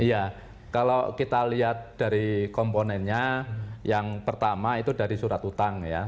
iya kalau kita lihat dari komponennya yang pertama itu dari surat utang ya